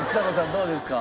どうですか？